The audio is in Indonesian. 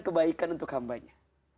kebaikan untuk hambanya